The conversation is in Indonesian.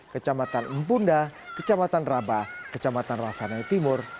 kecamatan mpunda kecamatan rabah kecamatan rasanahe timur